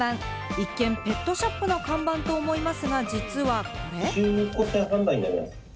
一見、ペットショップの看板と思いますが、実はこれ。